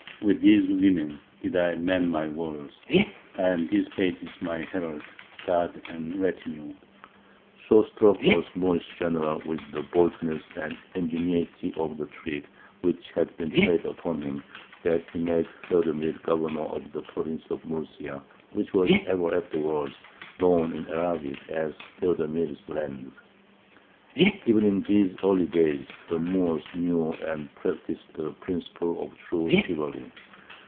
With these women did I man my walls; and this page is my herald, guard, and retinue!" So struck was the Moorish general with the boldness and ingenuity of the trick which had been played upon him, that he made Theodemir governor of the province of Murcia, which was ever afterwards known in Arabic as "Theodemir's land." Even in these early days the Moors knew and practised the principles of true chivalry.